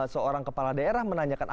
seorang kepala daerah menanyakan